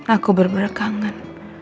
aku benar benar kangen